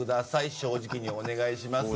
正直にお願いします。